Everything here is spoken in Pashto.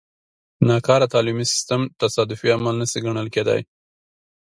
ناکاره تعلیمي سیستم تصادفي عمل نه شي ګڼل کېدای.